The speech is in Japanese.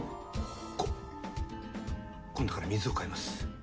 こ今度から水を替えます。